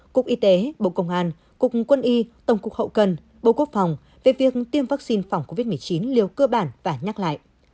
cục y tế bộ công an cục quân y tổng cục hậu cần bộ quốc phòng về việc tiêm vaccine phòng covid một mươi chín liều cơ bản và nhắc lại